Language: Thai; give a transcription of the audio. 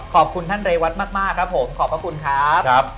ขอบคุณท่านเรวัตมากครับผมขอบพระคุณครับ